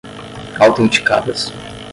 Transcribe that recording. autenticadas